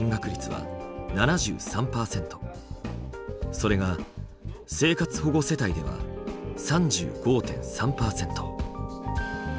それが生活保護世帯では３５．３％。